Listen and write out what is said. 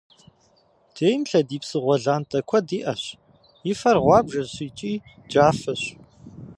Дейм лъэдий псыгъуэ лантӏэ куэд иӏэщ, и фэр гъуабжэщ икӏи джафэщ.